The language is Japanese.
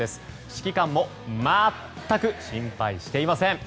指揮官も全く心配していません。